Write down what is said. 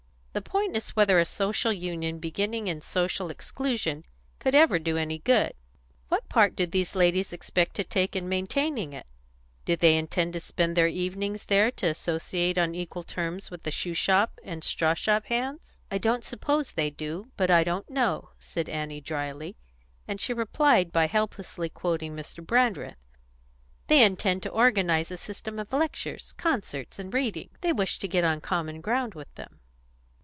"The point is whether a Social Union beginning in social exclusion could ever do any good. What part do these ladies expect to take in maintaining it? Do they intend to spend their evenings there, to associate on equal terms with the shoe shop and straw shop hands?" "I don't suppose they do, but I don't know," said Annie dryly; and she replied by helplessly quoting Mr. Brandreth: "They intend to organise a system of lectures, concerts, and readings. They wish to get on common ground with them."